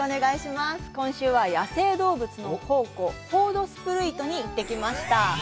今週は野生動物の宝庫、ホードスプルイトに行ってきました。